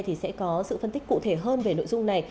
thì sẽ có sự phân tích cụ thể hơn về nội dung này